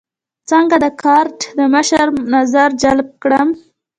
څنګه د ګارد د مشر نظر جلب کړم.